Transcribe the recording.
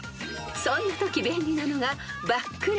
［そんなとき便利なのが］